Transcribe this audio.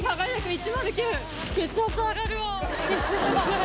「血圧上がる」。